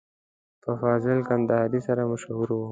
په فاضل کندهاري سره مشهور و.